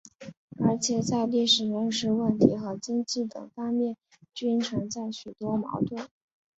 而且在历史认识问题和经济等方面均存在许多矛盾。